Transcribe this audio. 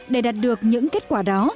để đạt được những kết quả đó